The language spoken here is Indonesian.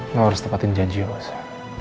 lo harus tempatin janji ya elsa